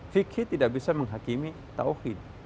fikih tidak bisa menghakimi tawhid